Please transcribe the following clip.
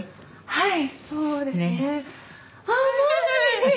「はい。